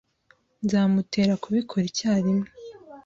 Nzamutera kubikora icyarimwe.